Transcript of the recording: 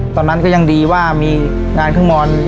ตอนนั้นก็ยังดีว่ามีงานข้างมอน